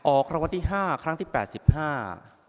ออกคำวัติห้าครั้งที่แปดสิบห้า